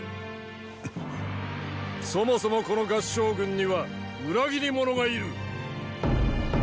そもそもこの合従軍には“裏切り者”がいる。